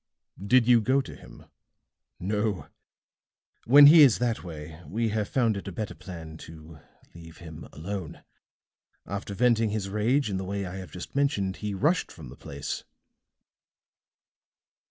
"Did you go to him?" "No. When he is that way, we have found it a better plan to leave him alone. After venting his rage in the way I have just mentioned, he rushed from the place."